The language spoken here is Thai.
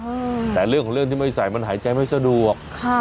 อืมแต่เรื่องของเรื่องที่ไม่ใส่มันหายใจไม่สะดวกค่ะ